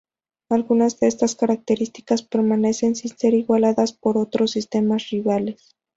Algunas de estas características permanecen sin ser igualadas por otros sistemas rivales.